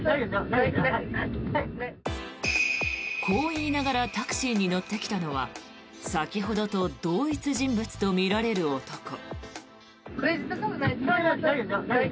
こう言いながらタクシーに乗ってきたのは先ほどと同一人物とみられる男。